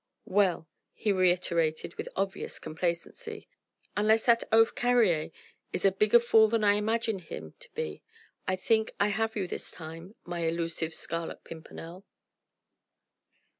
"Well!..." he reiterated with obvious complacency. "Unless that oaf Carrier is a bigger fool than I imagine him to be I think I have you this time, my elusive Scarlet Pimpernel."